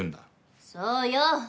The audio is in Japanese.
そうよ！